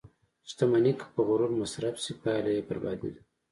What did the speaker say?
• شتمني که په غرور مصرف شي، پایله یې بربادي ده.